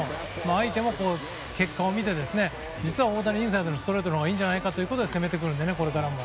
相手も、結果を見て実は大谷、インサイドのストレートのほうがいいんじゃないかということで攻めてくるので、これからも。